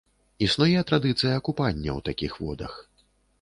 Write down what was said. Існуе традыцыя купання ў такіх водах.